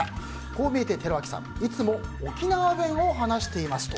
こう見えて寺脇さんいつも沖縄弁を話していますと。